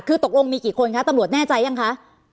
คือตกลงมีกี่คนคะตำรวจแน่ใจยังคะ